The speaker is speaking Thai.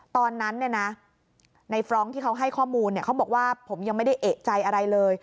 ตอนนั้นในฟรองก์ที่เขาให้ข้อมูลเขาบอกว่าผมยังไม่ได้เอกใจอะไรเลย